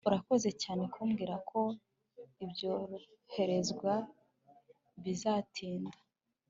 urakoze cyane kumbwira ko ibyoherezwa bizatinda